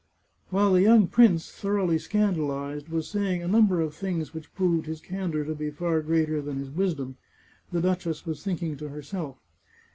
While the young prince, thoroughly scandalized, was saying a number of things which proved his candour to be far greater than his wisdom, the duchess was thinking to herself.